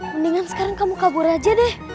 mendingan sekarang kamu kabur aja deh